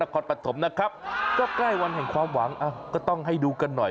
ก็ใกล้วันแห่งความหวังก็ต้องให้ดูกันหน่อย